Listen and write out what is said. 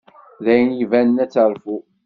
D ayen ibanen ad terfu.